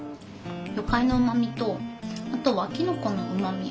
魚介のうまみとあとはきのこのうまみ。